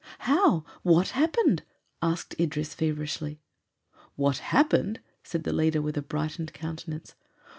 "How? What happened?" asked Idris feverishly. "What happened?" said the leader with a brightened countenance.